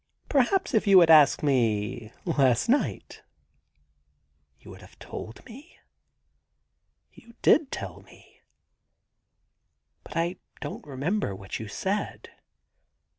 * Per haps if you had asked me last night !' *You would have told me? ... You did tell me, but I don't remember what you said.